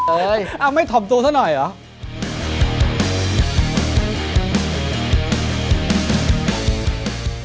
เอ้าไม่ถ่อมตัวเสียหน่อยหรอ